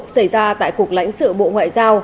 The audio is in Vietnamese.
xảy ra tại cục lãnh sự bộ ngoại giao